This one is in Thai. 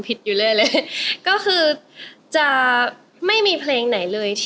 เป็นต้นมา